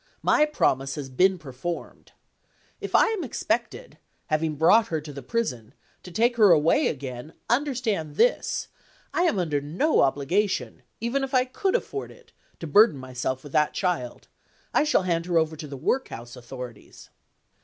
My promise has been performed. If I am expected (having brought her to the prison) to take her away again, understand this: I am under no obligation (even if I could afford it) to burden myself with that child; I shall hand her over to the workhouse authorities."